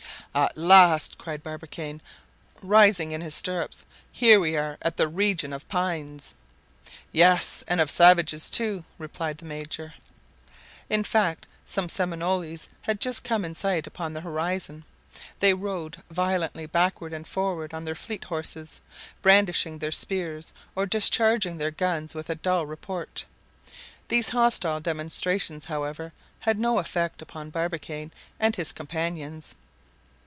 "At last," cried Barbicane, rising in his stirrups, "here we are at the region of pines!" "Yes! and of savages too," replied the major. In fact, some Seminoles had just came in sight upon the horizon; they rode violently backward and forward on their fleet horses, brandishing their spears or discharging their guns with a dull report. These hostile demonstrations, however, had no effect upon Barbicane and his companions.